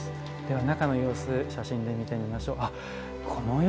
中の様子写真で見てみましょう。